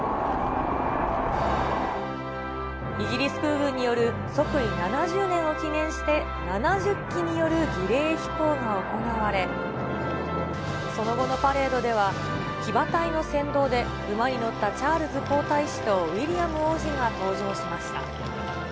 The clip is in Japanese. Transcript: イギリス空軍による即位７０年を記念して７０機による儀礼飛行が行われ、その後のパレードでは騎馬隊の先導で、馬に乗ったチャールズ皇太子とウィリアム王子が登場しました。